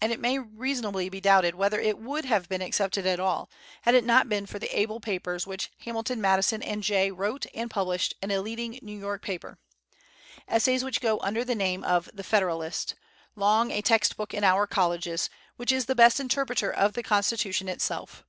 And it may reasonably be doubted whether it would have been accepted at all, had it not been for the able papers which Hamilton, Madison, and Jay wrote and published in a leading New York paper, essays which go under the name of "The Federalist," long a text book in our colleges, and which is the best interpreter of the Constitution itself.